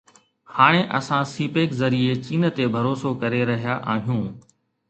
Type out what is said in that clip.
هاڻي اسان CPEC ذريعي چين تي ڀروسو ڪري رهيا آهيون